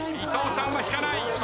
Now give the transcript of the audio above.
伊藤さんは引かない。